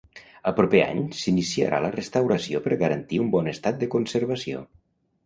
El proper any s'iniciarà la restauració per garantir un bon estat de conservació.